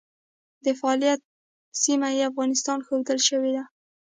د فعالیت سیمه یې افغانستان ښودل شوې ده.